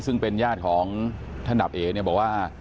ซึ่งเป็นญาติของท่านดับเอเนี่ยบอกว่า